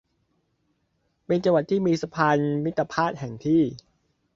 เป็นจังหวัดที่มีสะพานมิตรภาพแห่งที่